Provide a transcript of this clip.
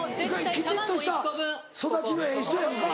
きちっとした育ちのええ人やんか。